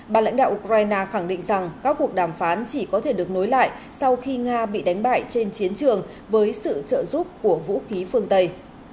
bà lãnh đạo ukraine khẳng định rằng các cuộc đàm phán chỉ có thể được nối lại sau khi nga bị đánh bại trên chiến trường với sự trợ giúp của vũ khí phương tây